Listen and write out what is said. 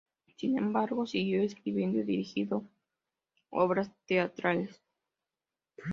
Sin embargo, siguió escribiendo y dirigiendo obras teatrales.